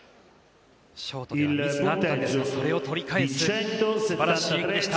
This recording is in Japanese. ショートではミスがあったんですがそれを取り返す素晴らしい演技でした。